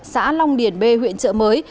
xã long điền b huyện trợ mới